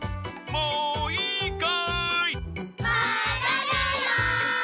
もういいかい？